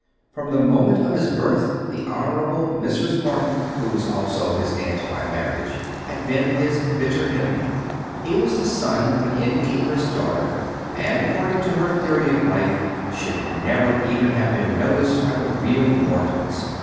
From the moment of his birth the Honourable Mrs. Morton, who was also his aunt by marriage, had been his bitter enemy. He was the son of an innkeeper's daughter, and according to her theory of life, should never even have been noticed by the real Mortons.